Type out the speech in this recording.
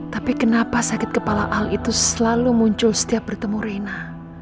tapi kenapa sakit kepala al itu selalu muncul setiap bertemu reina